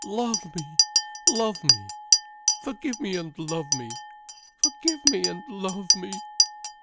Love me! Love me! Forgive me and love me! Forgive me and love me!"